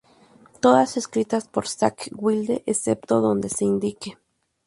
Todas escritas por Zakk Wylde, excepto donde se indique.